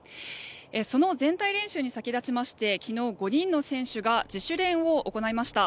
その全体練習に先立ちまして昨日、５人の選手が自主練を行いました。